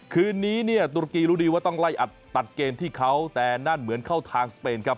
คืนนี้เนี่ยตุรกีรู้ดีว่าต้องไล่อัดตัดเกมที่เขาแต่นั่นเหมือนเข้าทางสเปนครับ